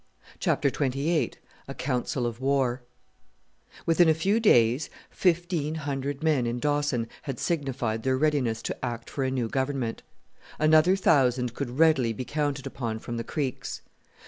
CHAPTER XXVIII A COUNCIL OF WAR Within a few days fifteen hundred men in Dawson had signified their readiness to act for a new Government. Another thousand could readily be counted upon from the creeks.